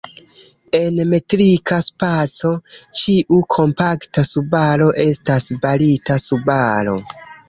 En metrika spaco, ĉiu kompakta subaro estas barita subaro.